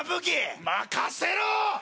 任せろ！